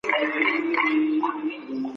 مینه په اصل کي د انسانانو ترمنځ یو ضرورت دی.